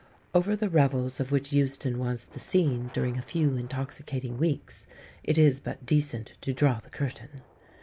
Over the revels of which Euston was 183 the scene during a few intoxicating weeks, it is but decent to draw the curtain.